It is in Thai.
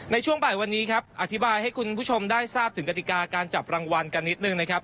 ในช่วงบ่ายวันนี้ครับอธิบายให้คุณผู้ชมได้ทราบถึงกติกาการจับรางวัลกันนิดนึงนะครับ